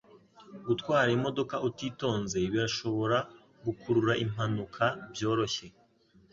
Gutwara imodoka utitonze birashobora gukurura impanuka byoroshye.